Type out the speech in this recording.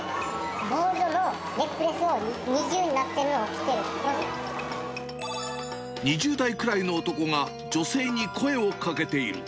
ゴールドのネックレスを二重２０代くらいの男が女性に声をかけている。